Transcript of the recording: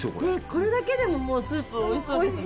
これだけでももうスープ、おいしそうですよね。